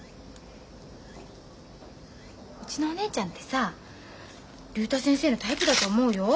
うちのお姉ちゃんってさ竜太先生のタイプだと思うよ。